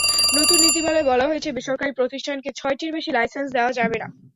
নতুন নীতিমালায় বলা হয়েছে, বেসরকারি প্রতিষ্ঠানকে ছয়টির বেশি লাইসেন্স দেওয়া যাবে না।